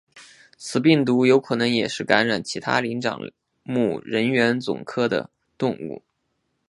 此病毒有可能也能感染其他灵长目人猿总科的动物。